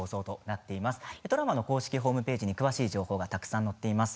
ドラマの公式ホームページに詳しい情報がたくさん載っています。